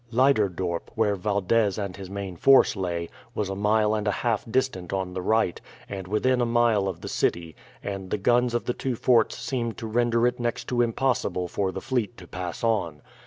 Leyderdorp, where Valdez with his main force lay, was a mile and a half distant on the right, and within a mile of the city, and the guns of the two forts seemed to render it next to impossible for the fleet to pass on.